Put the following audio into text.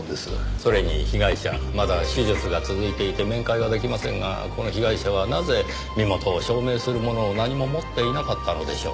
それに被害者まだ手術が続いていて面会は出来ませんがこの被害者はなぜ身元を証明するものを何も持っていなかったのでしょう？